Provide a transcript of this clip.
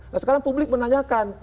nah sekarang publik menanyakan